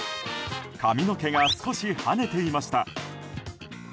髪の毛が少し跳ねていました。